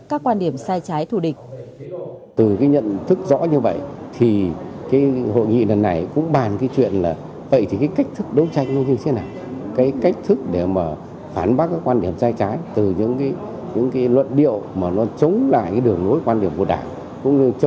các quan điểm sai trái thủ địch